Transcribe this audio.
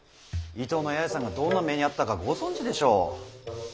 伊東の八重さんがどんな目に遭ったかご存じでしょう。